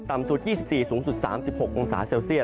สุด๒๔สูงสุด๓๖องศาเซลเซียต